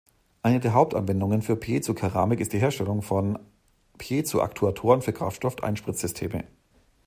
Eine der Hauptanwendungen für Piezo-Keramik ist die Herstellung von Piezo-Aktuatoren für Kraftstoff-Einspritzsysteme.